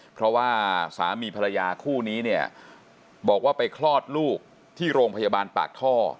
เพราะว่าสามีภรรยาคู่นี้เนี่ยบอกว่าไปคลอดลูกที่โรงพยาบาลปากท่อ